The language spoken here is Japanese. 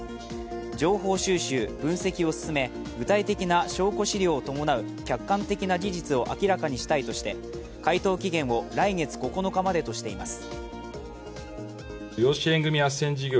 情報収集、分析を進め、具体的な証拠資料を伴う客観的な事実を明らかにしたいとして回答期限を来月９日までとしています。